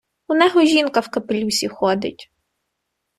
Унего жінка в капелюсі ходить.